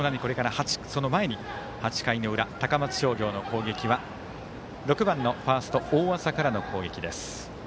その前に８回の裏高松商業の攻撃は６番のファースト大麻からの攻撃です。